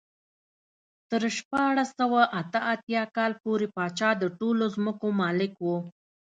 تر شپاړس سوه اته اتیا کال پورې پاچا د ټولو ځمکو مالک و.